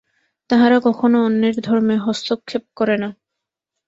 তাহারা কখনও অন্যের ধর্মে হস্তক্ষেপ করে না।